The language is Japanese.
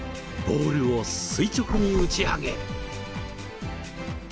ボールを垂直に打ち上げ。